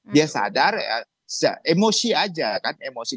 dia sadar emosi aja kan emosi